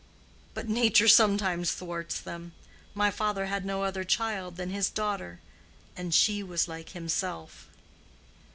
But nature sometimes thwarts them. My father had no other child than his daughter, and she was like himself."